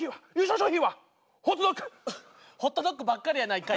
ホットドッグ！ホットドッグばっかりやないかい。